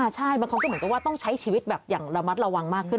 ใช่บางคนก็เหมือนกับว่าต้องใช้ชีวิตแบบอย่างระมัดระวังมากขึ้น